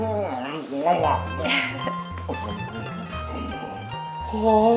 enggak enak enak enak enak